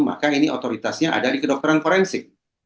maka ini otoritasnya ada di kedokteran forensik